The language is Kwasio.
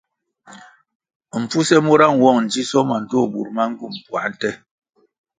Mpfuse mura nwong ndzisoh ma ndtoh bur ma ngywum puā nte.